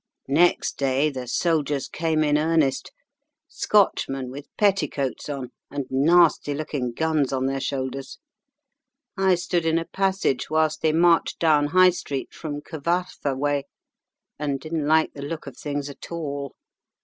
"Next day the soldiers came in earnest: Scotchmen with petticoats on, and nasty looking guns on their shoulders. I stood in a passage whilst they marched down High Street from Cyfarthfa way, and didn't like the look of things at all.